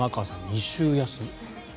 ２週休み。